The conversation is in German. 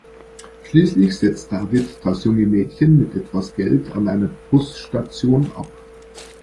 Schließlich setzt David das junge Mädchen mit etwas Geld an einer Busstation ab.